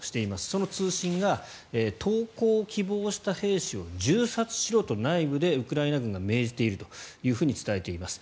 その通信が投降を希望した兵士を銃殺しろと内部でウクライナ軍が命じていると伝えています。